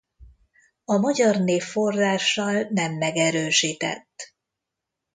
A magyar név forrással nem megerősített.